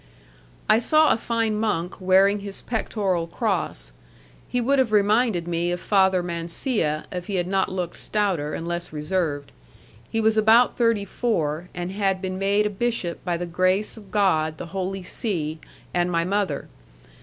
I saw a fine monk wearing his pectoral cross. He would have reminded me of Father Mancia if he had not looked stouter and less reserved. He was about thirty four, and had been made a bishop by the grace of God, the Holy See, and my mother.